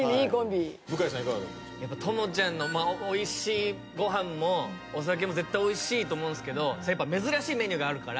トモちゃんのご飯もお酒も絶対おいしいと思うんですけど珍しいメニューがあるから。